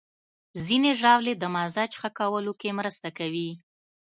ځینې ژاولې د مزاج ښه کولو کې مرسته کوي.